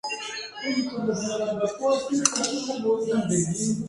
Allí se hizo amigo de Pablo Picasso y otros artistas importantes.